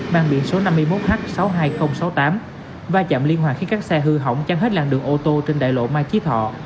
mang biển số năm mươi một h sáu mươi hai nghìn sáu mươi tám va chạm liên hoàn khiến các xe hư hỏng chăn hết làn đường ô tô trên đại lộ mai chí thọ